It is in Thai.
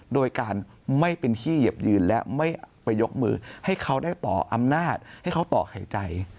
โดยการไม่เป็นที่เหยียบยืนและไม่ไปยกมือให้เขาได้ต่ออำนาจให้เขาต่อหายใจ